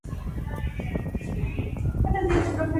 Sus padres fueron ascetas, pero no tuvieron hijos por un largo tiempo.